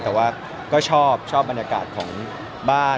แต่ว่าก็ชอบบรรยากาศของบ้าน